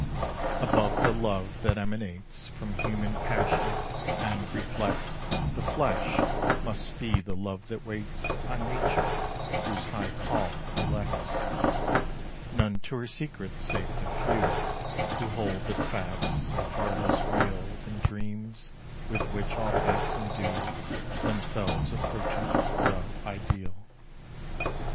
Above the love that emanates From human passion, and reflects The flesh, must be the love that waits On Nature, whose high call elects None to her secrets save the few Who hold that facts are far less real Than dreams, with which all facts indue Themselves approaching the Ideal.